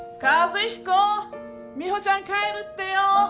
美帆ちゃん帰るってよ！